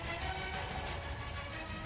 dengan jarak efektif dua ribu meter